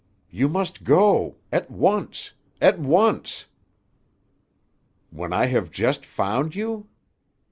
"You must go. At once! At once!" "When I have just found you?"